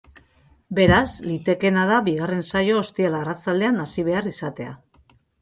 Beraz, litekeena da bigarren saioa ostiral arratsaldean hasi behar izatea.